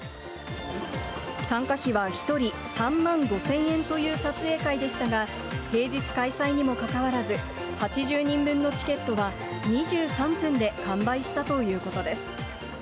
参加費は１人３万５０００円という撮影会でしたが、平日開催にもかかわらず、８０人分のチケットは２３分で完売したということです。